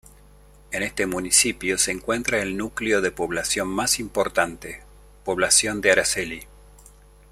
En este municipio se encuentra el núcleo de población más importante, Población de Araceli.